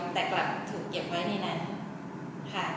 แต่กลับถูกเก็บไว้ในนั้นค่ะ